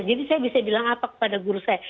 jadi saya bisa bilang apa kepada guru saya